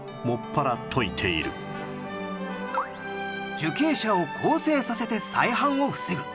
受刑者を更生させて再犯を防ぐ。